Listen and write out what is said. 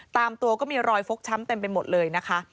ตามตัวก็มีรอยฟกช้ำเต็มไปหมดเลยนะคะ